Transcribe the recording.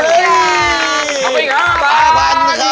เอาไปอีก๕บาท